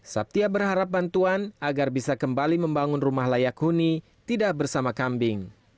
sabtia berharap bantuan agar bisa kembali membangun rumah layak huni tidak bersama kambing